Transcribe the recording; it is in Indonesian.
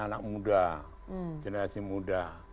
anak muda generasi muda